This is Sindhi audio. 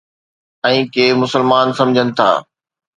۽ ڪي مسلمان سمجھن ٿا